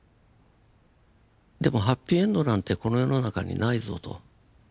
でもハッピーエンドなんてこの世の中にないぞと。